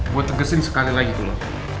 gue tegesin sekali lagi dulu